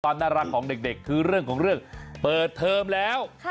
ความน่ารักของเด็กคือเรื่องของเรื่องเปิดเทอมแล้ว